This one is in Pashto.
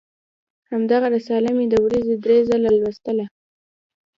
همدغه رساله مې د ورځې درې ځله لوستله.